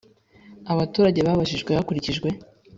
Abaturage babajijwe hakurikijwe